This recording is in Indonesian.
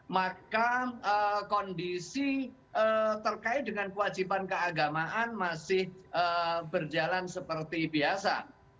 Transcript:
maka kondisi terkait dengan kewajiban keagamaan masih berjalan seperti biasa